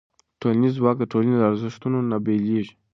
ټولنیز ځواک د ټولنې له ارزښتونو نه بېلېږي.